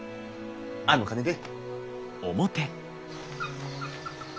あの金で。